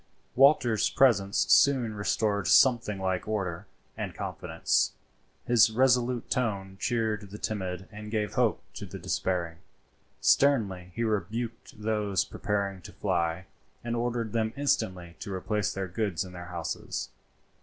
Walter's presence soon restored something like order and confidence; his resolute tone cheered the timid and gave hope to the despairing. Sternly he rebuked those preparing to fly, and ordered them instantly to replace their goods in their houses.